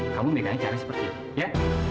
kamu pegangnya cari seperti ini ya